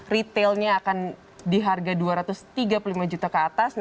retailnya akan di harga dua ratus tiga puluh lima juta ke atas